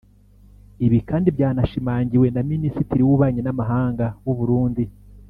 Ibi kandi byanashimangiwe na Minisitiri w’Ububanyi n’Amahanga w’u Burundi